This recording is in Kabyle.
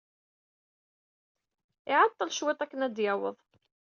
Iɛeḍḍel cwiṭ akken ad d-yaweḍ.